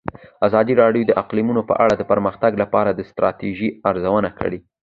ازادي راډیو د اقلیتونه په اړه د پرمختګ لپاره د ستراتیژۍ ارزونه کړې.